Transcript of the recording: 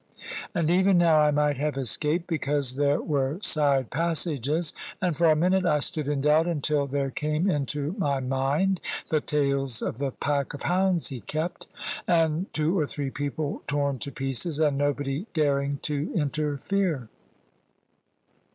And even now I might have escaped, because there were side passages; and for a minute I stood in doubt, until there came into my mind the tales of the pack of hounds he kept, and two or three people torn to pieces, and nobody daring to interfere.